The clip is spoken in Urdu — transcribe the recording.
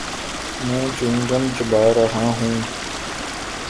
میں چیوینگ گم چبا رہا ہوں۔